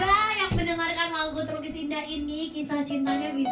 semoga pendengarkan terukis indah ini